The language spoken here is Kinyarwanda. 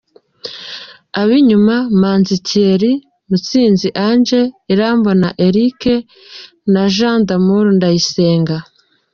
Ab’inyuma: Manzi Thierry, Mutsinzi Ange, Irambona Eric na Jean D’Amour Ndayisenga.